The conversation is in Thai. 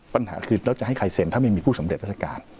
ปัญหาคือแล้วจะให้ใครเซ็นถ้าไม่มีผู้สำเร็จราชการ